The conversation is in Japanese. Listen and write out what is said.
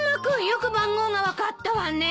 よく番号が分かったわね。